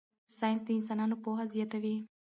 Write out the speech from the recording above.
ساینس د انسانانو پوهه زیاتوي.